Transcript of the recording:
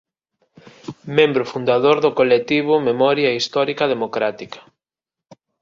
Membro fundador do colectivo "Memoria Histórica Democrática".